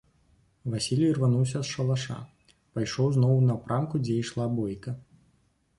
Васіль ірвануўся з шалаша, пайшоў зноў у напрамку, дзе ішла бойка.